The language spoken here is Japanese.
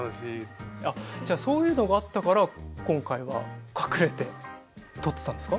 あっじゃあそういうのがあったから今回は隠れて撮ってたんですか？